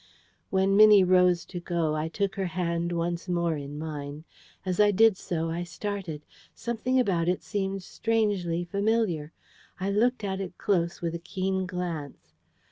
When Minnie rose to go, I took her hand once more in mine. As I did so, I started. Something about it seemed strangely familiar. I looked at it close with a keen glance.